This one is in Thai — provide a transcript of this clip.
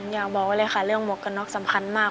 อยากบอกไว้เลยค่ะเรื่องหมวกกันน็อกสำคัญมาก